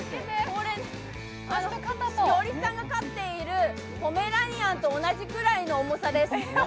これ、栞里さんが飼っているポメラニアンと同じぐらいの重さです。